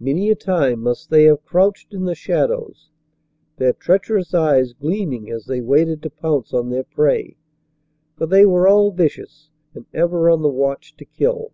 Many a time must they have crouched in the shadows, their treacherous eyes gleaming as they waited to pounce on their prey. For they were all vicious and ever on the watch to kill.